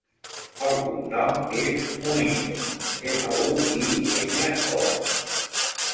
El cognom és Muiño: ema, u, i, enya, o.